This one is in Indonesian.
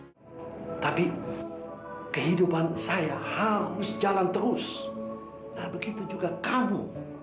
hai tapi kehidupan saya harus jalan terus begitu juga kamu